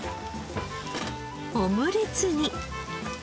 オムレツに。